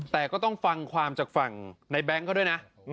แต่ก็ต้องฟังความจากฝั่งในแบงค์เขาด้วยนะ